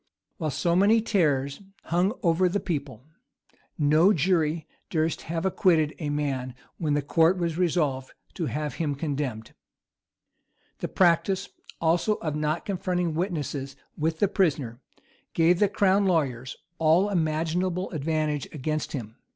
While so many terrors hung over the people, no jury durst have acquitted a man when the court was resolved to have him condemned. The practice, also, of not confronting witnesses with the prisoner, gave the crown lawyers all imaginable advantage against him.